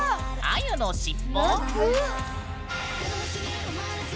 あゆのしっぽ？